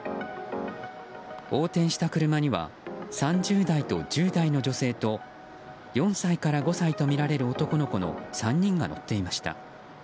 横転した車には３０代と１０代の女性と４歳から５歳とみられる男の子の３人が乗っていました。